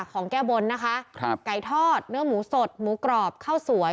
ของแก้บนนะคะครับไก่ทอดเนื้อหมูสดหมูกรอบข้าวสวย